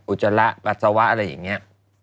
อุจจาระอัตษวาอะไรอย่างนี้